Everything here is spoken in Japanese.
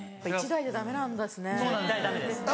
１台じゃダメなんですね。